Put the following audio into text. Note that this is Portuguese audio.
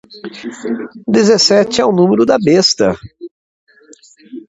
Dezessete é o número da besta